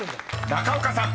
［中岡さん］